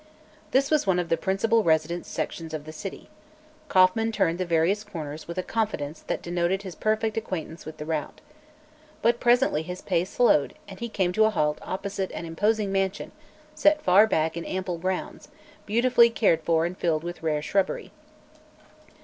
This was one of the principal residence sections of the city. Kauffman turned the various corners with a confidence that denoted his perfect acquaintance with the route. But presently his pace slowed and he came to a halt opposite an imposing mansion set far back in ample grounds, beautifully cared for and filled with rare shrubbery.